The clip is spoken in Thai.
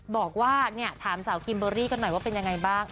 บอกว่าถามสาวคิมเบอร์รี่กันหน่อยว่าเป็นยังไงบ้าง